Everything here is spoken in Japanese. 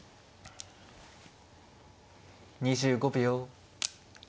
２５秒。